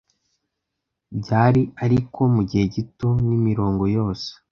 Byari ariko mugihe gito, n'imirongo yose